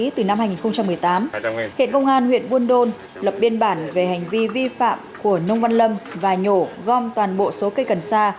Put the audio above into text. từ năm hai nghìn một mươi tám hiện công an huyện buôn đôn lập biên bản về hành vi vi phạm của nông văn lâm và nhổ gom toàn bộ số cây cần sa